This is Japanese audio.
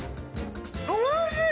おいしい！